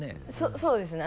そうですね